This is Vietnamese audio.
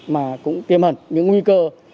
mà cũng tiêm hẳn những nguy cơ